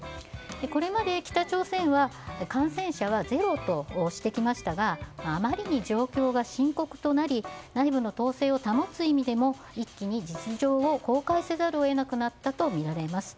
これまで北朝鮮は感染者はゼロとしてきましたがあまりに状況が深刻となり内部の統制を保つ意味でも一気に実情を公開せざるを得なくなったとみられます。